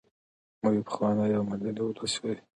موږ یو پخوانی او مدني ولس یو.